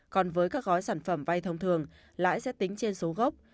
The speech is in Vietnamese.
còn với các gói sản phẩm vay thông thường lãi sẽ tính trên số gốc